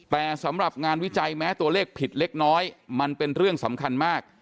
แต่สำหรับงานวิจัยแม้ตัวเลขผิดเล็กน้อยมันเป็นเรื่องสำคัญมาก